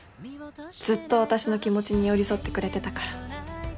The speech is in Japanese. ずっと私の気持ちに寄り添ってくれてたから。